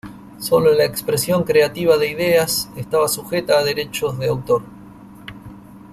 Solo la expresión creativa de ideas estaba sujetas a derechos de autor.